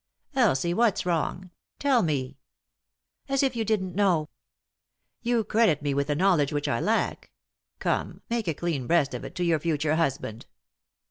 " Elsie, what's wrong ? Tell me." "As if you didn't know." "You credit me with a knowledge which I lack Come, make a clean breast of it to your future husband."